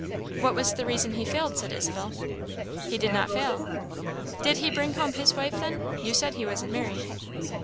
"What was the reason he failed?" said Isabel. "He did not fail." "Did he bring home his wife then? You said he wasn't married."